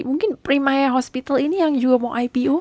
mungkin primaya hospital ini yang juga mau ipo